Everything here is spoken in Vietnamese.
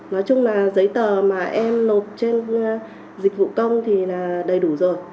nói chung là giấy tờ mà em nộp trên dịch vụ công thì là đầy đủ rồi